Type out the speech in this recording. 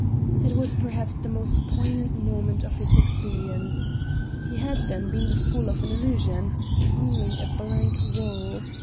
It was perhaps the most poignant moment of his experience. He had, then, been the fool of an illusion! Only a blank wall!